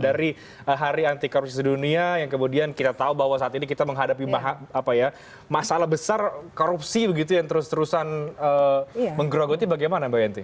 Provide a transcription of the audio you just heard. dari hari anti korupsi sedunia yang kemudian kita tahu bahwa saat ini kita menghadapi masalah besar korupsi begitu yang terus terusan menggerogoti bagaimana mbak yenti